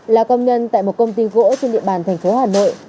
là công nhân tại một công ty gỗ trên địa bàn thành phố hà nội